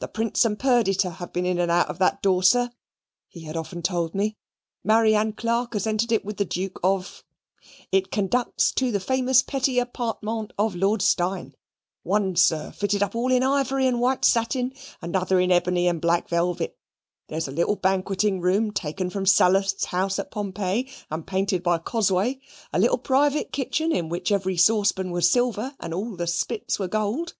"The Prince and Perdita have been in and out of that door, sir," he had often told me; "Marianne Clarke has entered it with the Duke of . It conducts to the famous petits appartements of Lord Steyne one, sir, fitted up all in ivory and white satin, another in ebony and black velvet; there is a little banqueting room taken from Sallust's house at Pompeii, and painted by Cosway a little private kitchen, in which every saucepan was silver and all the spits were gold.